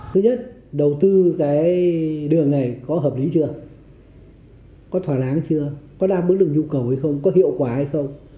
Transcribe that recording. thứ nhất đầu tư cái đường này có hợp lý chưa có thỏa đáng chưa có đáp ứng được nhu cầu hay không có hiệu quả hay không